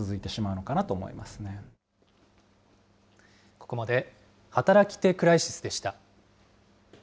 ここまで働き手クライシスでした。